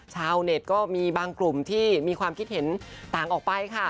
ชาวเน็ตก็มีบางกลุ่มที่มีความคิดเห็นต่างออกไปค่ะ